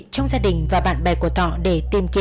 cũng gần tới rồi